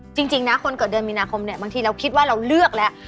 จริงนะคนเกิดเดือนมีนาคมเนี่ยบางทีเราคิดว่าเราเลือกแล้ว